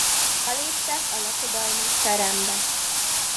Beléptek a lakodalmas terembe.